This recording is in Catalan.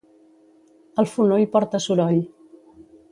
El fonoll porta soroll.